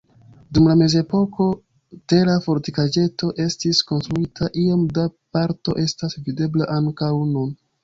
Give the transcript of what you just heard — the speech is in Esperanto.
Dum la mezepoko tera fortikaĵeto estis konstruita, iom da parto estas videbla ankaŭ nun.